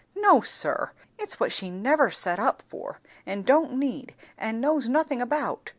no, sir. It's what she never set up for, and don't need, and knows nothing about.